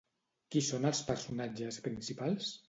Qui són els personatges principals?